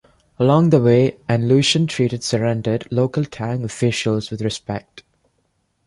Along the way, An Lushan treated surrendered local Tang officials with respect.